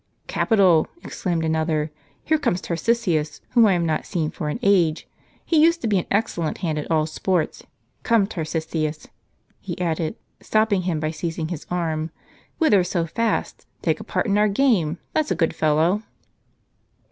" Capital !" exclaimed another, " here comes Tarcisius, whom I have not seen for an age. He used to be an excellent hand at all sports. Come, Tarcisius," he added, stopping him by seizing his arm, '' whither so fast ? take a part in our game, that's a good fellow."